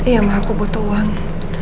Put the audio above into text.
ya mama aku butuh uang